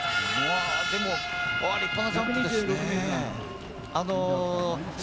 でも立派なジャンプですね。